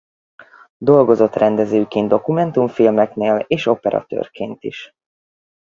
Dolgozott rendezőként dokumentumfilmeknél és operatőrként is.